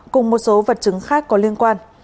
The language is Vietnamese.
cùng một số vật chứng khác có liên quan